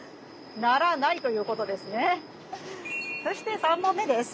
そして３問目です。